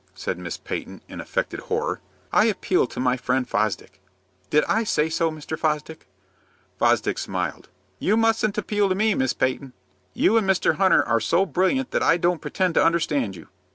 said Miss Peyton, in affected horror. "I appeal to my friend Fosdick." "Did I say so, Mr. Fosdick?" Fosdick smiled. "You mustn't appeal to me, Miss Peyton. You and Mr. Hunter are so brilliant that I don't pretend to understand you."